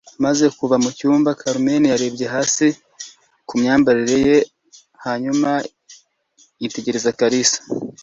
Amaze kuva mu cyumba, Carmen yarebye hasi ku myambarire ye hanyuma yitegereza Kalisa.